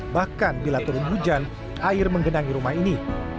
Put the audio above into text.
bahkan bila turun hujan air menggenangi rumah ini